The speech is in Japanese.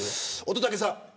乙武さん。